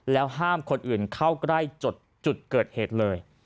แล้วห้ามคนอื่นเข้าใกล้จุดเกิดเหตุเลย